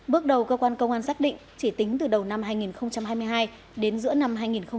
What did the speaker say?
bước đầu cơ quan công an xác định chỉ tính từ đầu năm hai nghìn hai mươi hai đến giữa năm hai nghìn hai mươi hai